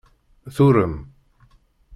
Turem.